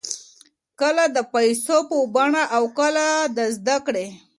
کله د پیسو په بڼه او کله د زده کړې.